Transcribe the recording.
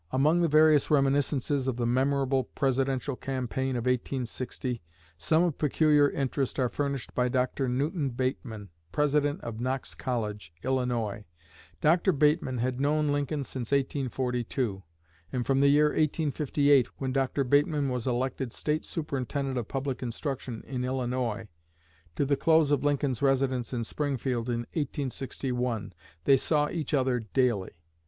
Among the various reminiscences of the memorable Presidential campaign of 1860, some of peculiar interest are furnished by Dr. Newton Bateman, President of Knox College, Illinois. Dr. Bateman had known Lincoln since 1842; and from the year 1858, when Dr. Bateman was elected State Superintendent of Public Instruction in Illinois, to the close of Lincoln's residence in Springfield in 1861, they saw each other daily.